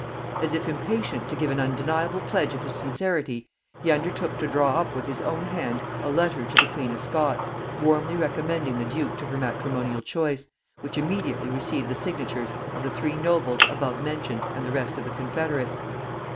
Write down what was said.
As if impatient to give an undeniable pledge of his sincerity, he undertook to draw up with his own hand a letter to the queen of Scots, warmly recommending the duke to her matrimonial choice, which immediately received the signatures of the three nobles above mentioned and the rest of the confederates.